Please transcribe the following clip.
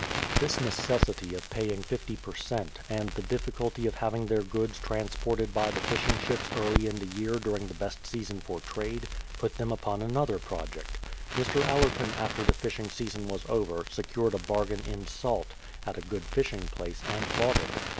This necessity of paying 50 per cent, and the difficulty of having their goods transported by the fishing ships early in the year during the best season for trade, put them upon another project, Mr. AUerton after the fishing sea son was over, secured a bargain in salt, at a good fishing place, and bought it.